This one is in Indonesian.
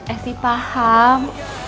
eh sih paham